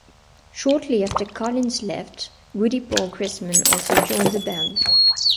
Shortly after Collins left, "Woody Paul" Chrisman also joined the band.